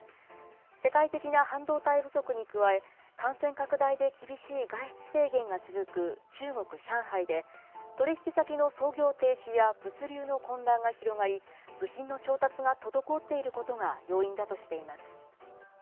世界的な半導体不足に加え、感染拡大で厳しい外出制限が続く中国・上海で、取り引き先の操業停止や物流の混乱が広がり、部品の調達が滞っていることが要因だとしています。